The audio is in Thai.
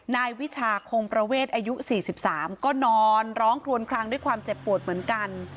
นายวิชาคงประเวทอายุ๔๓ก็นอนร้องคลวนคลังด้วยความเจ็บปวดเหมือนกัน